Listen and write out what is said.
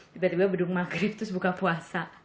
tiba tiba bedung maghrib terus buka puasa